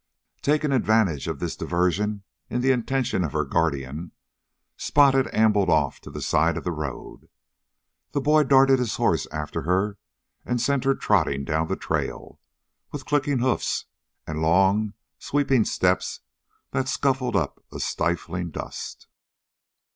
Taking advantage of this diversion in the attention of her guardian, Spot had ambled off to the side of the road. The boy darted his horse after her and sent her trotting down the trail, with clicking hoofs and long, sweeping steps that scuffed up a stifling dust.